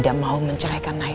adesso mau posisi kasih hati saya